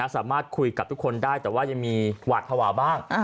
สามารถคุยกับทุกคนได้แต่ว่ายังมีหวาดภาวะบ้าง